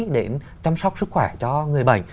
để chăm sóc sức khỏe cho người bệnh